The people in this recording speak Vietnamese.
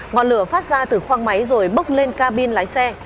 ngọn lửa phát ra từ khoang máy rồi bốc lên cabin lái xe